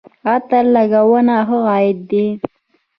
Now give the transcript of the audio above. عطر لګول ښه عادت دی